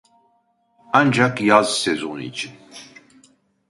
Ancak yaz sezonu için